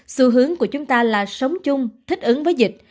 xu hướng của chúng ta là sống chung thích ứng với dịch